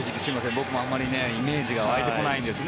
僕もあまりイメージが湧いてこないんですね。